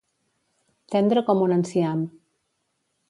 Tendre com un enciam.